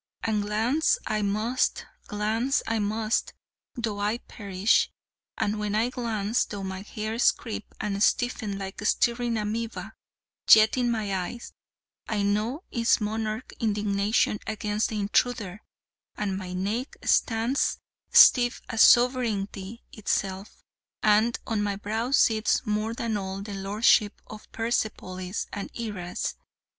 And glance I must, glance I must, though I perish: and when I glance, though my hairs creep and stiffen like stirring amobse, yet in my eyes, I know, is monarch indignation against the intruder, and my neck stands stiff as sovereignty itself, and on my brow sits more than all the lordship of Persepolis and Iraz.